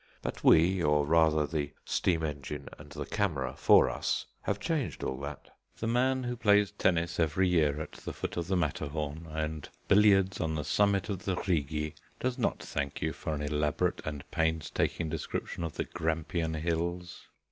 But we, or rather the steam engine and the camera for us, have changed all that. The man who plays tennis every year at the foot of the Matterhorn, and billiards on the summit of the Rigi, does not thank you for an elaborate and painstaking description of the Grampian Hills.